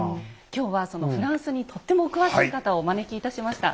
今日はフランスにとってもお詳しい方をお招きいたしました。